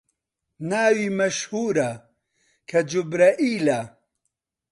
ناوی مەشهوورە، کە جوبرەئیلە